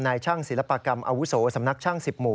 ช่างศิลปกรรมอาวุโสสำนักช่าง๑๐หมู่